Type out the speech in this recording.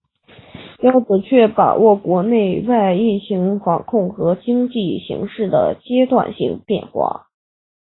要准确把握国内外疫情防控和经济形势的阶段性变化